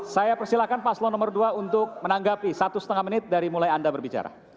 saya persilahkan paslon nomor dua untuk menanggapi satu setengah menit dari mulai anda berbicara